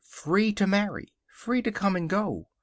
Free to marry. Free to come and go.